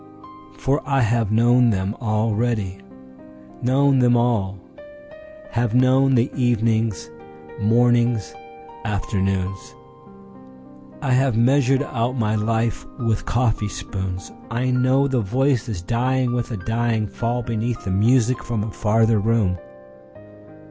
For I have known them all already, known them all:Have known the evenings, mornings, afternoons,I have measured out my life with coffee spoons;I know the voices dying with a dying fallBeneath the music from a farther room.